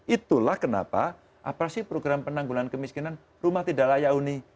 itulah kenapa apa sih program penanggulan kemiskinan rumah tidak layak huni